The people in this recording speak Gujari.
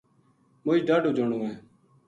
مچ ڈاہڈو جنو ہے